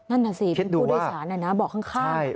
นั่นน่ะสิเป็นผู้โดยสารนะนะเบาะข้าง